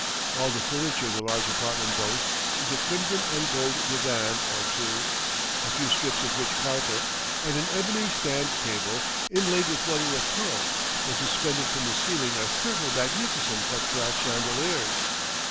All the furniture the large apartment boasts is a crimson and gold divan or two, a few strips of rich carpet, and an ebony stand table, inlaid with mother of pearl; but suspended from the ceiling are several magnificent cut glass chandeliers.